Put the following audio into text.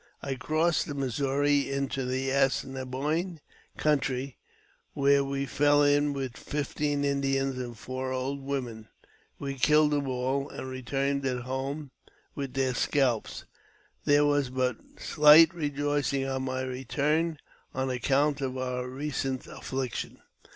I crossed the Missouri into the As ne boine country, where we fell in with fifteen Indians and four old women. "We killed them all, and returned home with their scalps. There was but slight re joicing on my return, on account of our recent affliction.